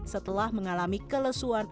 setelah mengalami kelesuan